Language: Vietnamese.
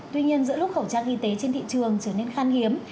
tuy nhiên giữa lúc khẩu trang y tế trên thị trường trở nên khan hiếm